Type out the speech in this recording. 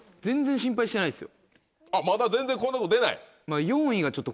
まだ全然こういうとこ出ない？